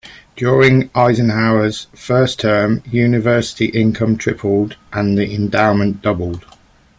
During Eisenhower's first term, University income tripled and the endowment doubled.